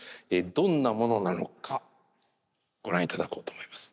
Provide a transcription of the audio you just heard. どんなものなのかご覧いただこうと思います。